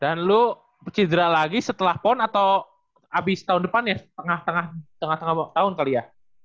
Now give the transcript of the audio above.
dan lu cedera lagi setelah pon atau abis tahun depan ya tengah tengah tengah tengah tahun kali ya